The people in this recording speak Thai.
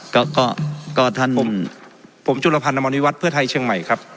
ก็ก็ก็ท่านผมผมจุลภัณฑ์นามวิวัตรเพื่อไทยเชียงใหม่ครับ